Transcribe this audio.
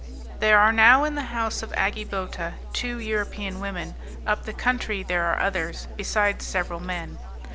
There are now in the house of Agi Bota two European women; up the country there are others, besides several men.